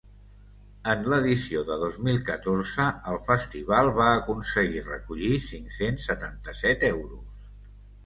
En l’edició de dos mil catorze, el festival va aconseguir recollir cinc-cents setanta-set euros.